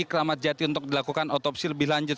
keramat jati untuk dilakukan otopsi lebih lanjut